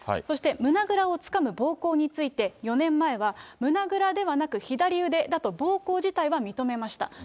そして胸倉をつかむ暴行について、４年前は胸ぐらではなく左腕だと、暴行自体は認めました。